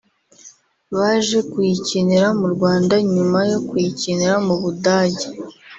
baje kuyikinira mu Rwanda nyuma yo kuyikinira mu budage